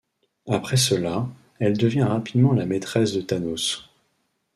Après cela, elle devient rapidement la maîtresse de Thanos.